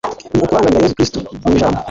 ni ukurangamira yezu kristu mu ijambo